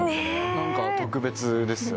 何か特別ですよね。